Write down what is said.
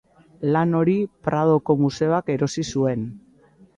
Lan hori Pradoko museoak erosi zuen.